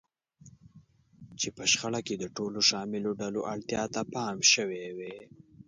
چې په شخړه کې د ټولو شاملو ډلو اړتیا ته پام شوی وي.